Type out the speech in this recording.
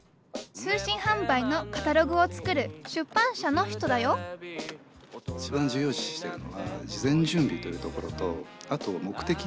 通信販売のカタログを作る出版社の人だよいちばん重要視してるのは事前準備というところとあと目的。